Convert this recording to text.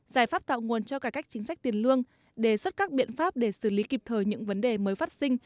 đề án cải cách chính sách tiền lương đề xuất các biện pháp để xử lý kịp thời những vấn đề mới phát sinh